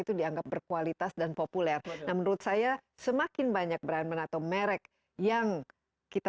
itu dianggap berkualitas dan populer nah menurut saya semakin banyak brandman atau merek yang kita